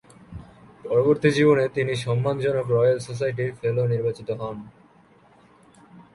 পরবর্তী জীবনে তিনি সম্মান জনক রয়েল সোসাইটির ফেলো নির্বাচিত হন।